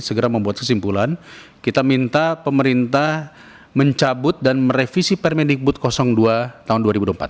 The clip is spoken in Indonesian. segera membuat kesimpulan kita minta pemerintah mencabut dan merevisi permendikbud dua tahun dua ribu dua puluh empat